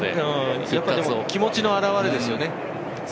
気持ちの表れですよね。